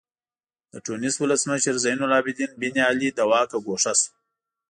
د ټونس ولسمشر زین العابدین بن علي له واکه ګوښه شو.